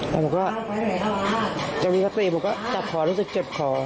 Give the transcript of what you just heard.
แต่พวกก็จะมีปฏิบัติผมก็จัดขอรู้สึกเจ็บขอ